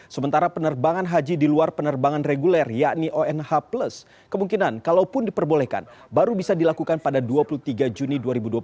sementara penerbangan haji diluar penerbangan reguler yakni onh kemungkinan kalaupun diperbolehkan baru bisa dilakukan pada dua puluh tiga juni dua ribu dua puluh tiga